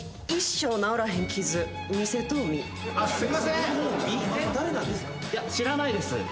いや知らないです。